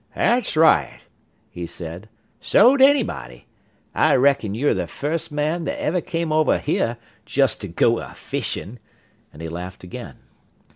"That's right," he said. "So'd anybody. I reckon you're the first man that ever come over hyeh jus' to go a fishin'," and he laughed again.